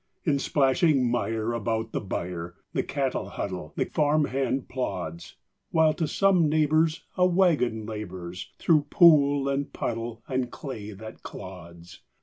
In splashing mire about the byre The cattle huddle, the farm hand plods; While to some neighbor's a wagon labors Through pool and puddle and clay that clods.